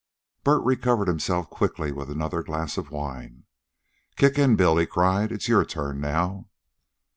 Bert recovered himself quickly with another glass of wine. "Kick in, Bill," he cried. "It's your turn now."